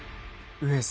上様！